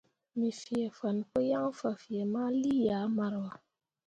Me fee fan pǝ yaŋ fan fee ma lii ah maroua.